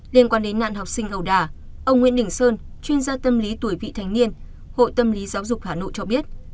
liên quan đến nạn học sinh ẩu đà ông nguyễn đình sơn chuyên gia tâm lý tuổi vị thành niên hội tâm lý giáo dục hà nội cho biết